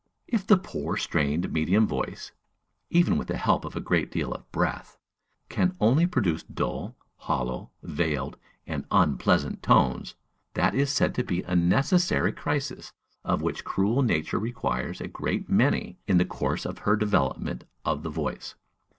If the poor, strained medium voice, even with the help of a great deal of breath, can only produce dull, hollow, veiled, and unpleasant tones, that is said to be a necessary crisis, of which cruel Nature requires a great many in the course of her development of the voice!